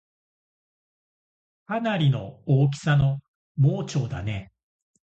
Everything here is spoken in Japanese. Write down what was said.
かなりの大きさの盲腸だねぇ